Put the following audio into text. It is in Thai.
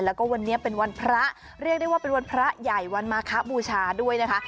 แล้วก็วันนี้เป็นวันพระเรียกได้ว่าเป็นวันพระใหญ่วันมาคบูชาด้วยนะคะ